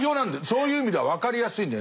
そういう意味では分かりやすいんだよね。